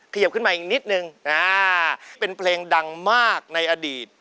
เขยิบขึ้นมาอีกนิดนึงเป็นเพลงดังมากในอดีต